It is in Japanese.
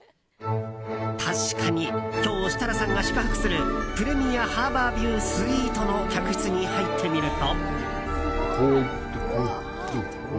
確かに今日、設楽さんが宿泊するプレミアハーバービュースイートの客室に入ってみると。